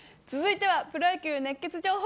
続いてはプロ野球熱ケツ情報。